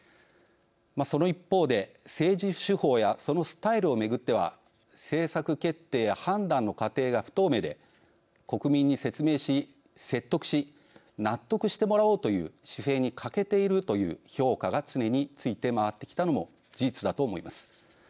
その一方で政治手法やそのスタイルをめぐっては政策決定や判断の過程が不透明で国民に説明し、説得し納得してもらおうという姿勢にかけているという評価が常について回ってきたのも事実だと思います。